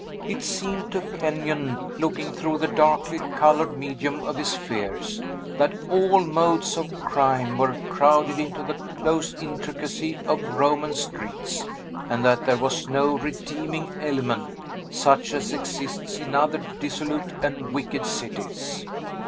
It seemed to Kenyon, looking through the darkly colored medium of his fears, that all modes of crime were crowded into the close intricacy of Roman streets, and that there was no redeeming element, such as exists in other dissolute and wicked cities.